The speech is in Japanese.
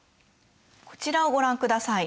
こちらをご覧ください。